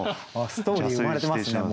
ストーリー生まれてますね